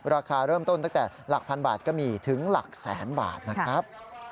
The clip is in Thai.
ราคาเริ่มต้นตั้งแต่หลักพันบาทก็มีถึงหลักแสนบาทนะครับ